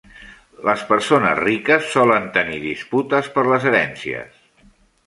Les persones riques solen tenir disputes per les herències.